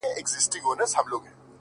دا ستا شعرونه مي د زړه آواز دى ـ